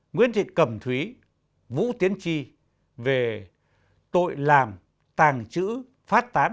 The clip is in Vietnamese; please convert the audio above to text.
nguyễn thị cẩm thúy vũ tiến chi về tội làm tàng trữ phát tán